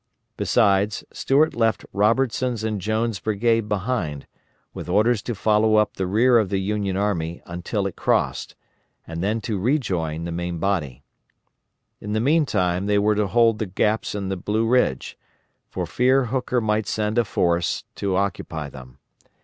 Besides, Stuart left Robertson's and Jones' brigades behind, with orders to follow up the rear of the Union army until it crossed, and then to rejoin the main body. In the meantime they were to hold the gaps in the Blue Ridge, for fear Hooker might send a force to occupy them.